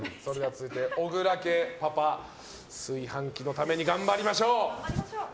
続いて、小倉家パパ炊飯器のために頑張りましょう。